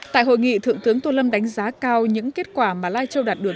tại hội nghị thượng tướng tô lâm đánh giá cao những kết quả mà lai châu đạt được